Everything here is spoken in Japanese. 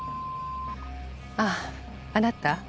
あああなた